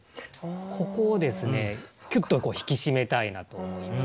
ここをですねきゅっと引き締めたいなと思いまして。